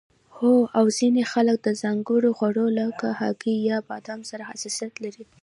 هو او ځینې خلک د ځانګړو خوړو لکه هګۍ یا بادام سره حساسیت لري